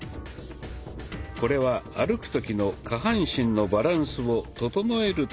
これは歩く時の下半身のバランスを整えるための運動。